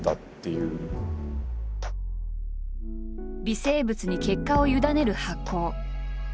微生物に結果を委ねる発酵。